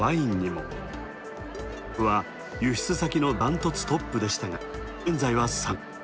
中国は輸出先のダントツトップでしたが現在は３位。